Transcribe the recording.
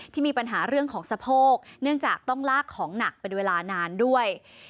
มีปัญหาเรื่องของสะโพกเนื่องจากต้องลากของหนักเป็นเวลานานด้วย